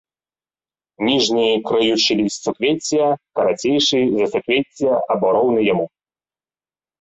Ніжні крыючы ліст суквецця карацейшы за суквецце або роўны яму.